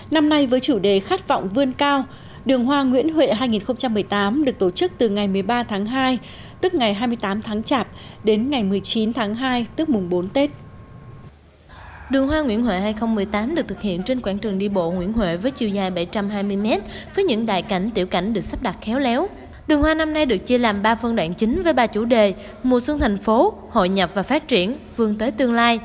năm nay với chủ đề khát vọng vươn cao đường hoa nguyễn huệ hai nghìn một mươi tám được tổ chức từ ngày một mươi ba tháng hai tức ngày hai mươi tám tháng chạp đến ngày một mươi chín tháng hai tức mùng bốn tết